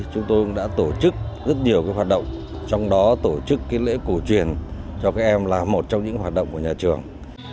chúng tôi cũng đã tổ chức rất nhiều hoạt động trong đó tổ chức lễ cổ truyền cho các em là một trong những hoạt động của nhà trường